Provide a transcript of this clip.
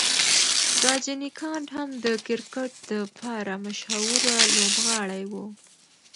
راجنیکانټ هم د کرکټ د پاره مشهوره لوبغاړی و.